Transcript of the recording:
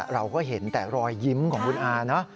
เราก็เห็นแต่รอยยิ้มของคุณอาเนอะ